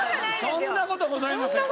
そんな事ございません！